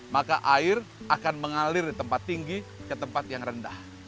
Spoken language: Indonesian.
maka air akan mengalir di tempat tinggi ke tempat yang rendah